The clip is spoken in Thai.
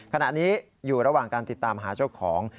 ขณะนี้อยู่ระหว่างการติดตามหาเจ้าของ